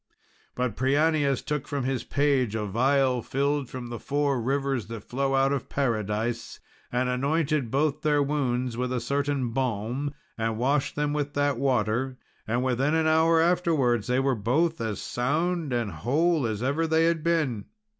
But Prianius took from his page a vial filled from the four rivers that flow out of Paradise, and anointed both their wounds with a certain balm, and washed them with that water, and within an hour afterwards they were both as sound and whole as ever they had been.